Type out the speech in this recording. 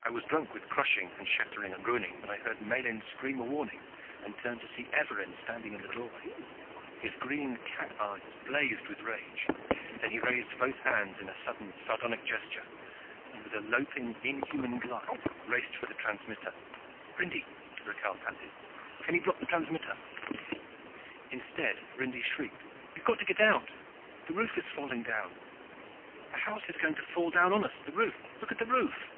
I was drunk with crushing and shattering and ruining, when I heard Miellyn scream a warning and turned to see Evarin standing in the doorway. His green cat eyes blazed with rage. Then he raised both hands in a sudden, sardonic gesture, and with a loping, inhuman glide, raced for the transmitter. "Rindy," Rakhal panted, "can you block the transmitter?" Instead Rindy shrieked. "We've got to get out! The roof is falling down! The house is going to fall down on us! The roof, look at the roof!"